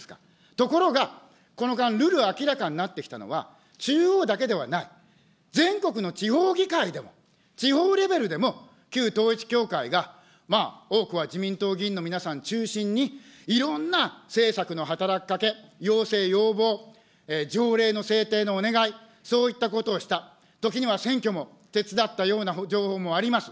ところが、この間、るる明らかになってきたのは、中央だけではない、全国の地方議会でも、地方レベルでも旧統一教会が多くは自民党議員の皆さん中心に、いろんな政策の働きかけ、要請、要望、条例の制定のお願い、そういったことをした、時には選挙も手伝ったような情報もあります。